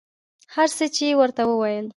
هر څه یې ورته وویل.